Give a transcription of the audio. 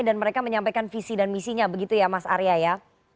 dan mereka menyampaikan visi dan misinya begitu ya mas arya ya